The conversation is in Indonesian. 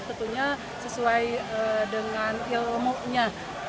tentunya sesuai dengan ilmunya